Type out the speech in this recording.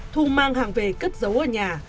thu mang hàng về cất giấu ở nhà